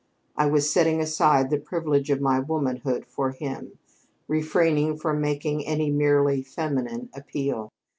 I was setting aside the privilege of my womanhood for him, refraining from making any merely feminine appeal.